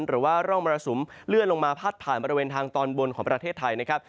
หรือว่าร่องมรสุมเลื่อนลงมาพาดผ่านบริเวณทางตอนบนของประเทศไทยนะครับ